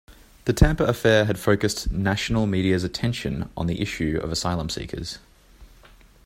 The Tampa affair had focused national media's attention on the issue of asylum seekers.